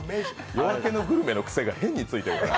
「夜明けのグルメ」の癖が変についてるから。